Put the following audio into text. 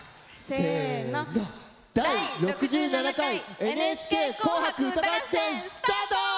せの「第６７回ＮＨＫ紅白歌合戦」スタート！